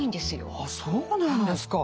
あっそうなんですか。